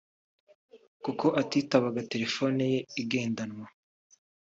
kuko atitabaga telefoni ye igendanwa